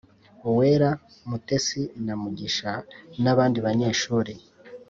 Uwera, Mutesi na Mugisha n’abandi banyeshuri